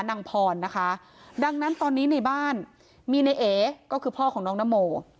นางพรนะคะดังนั้นตอนนี้ในบ้านมีในเอก็คือพ่อของน้องนโม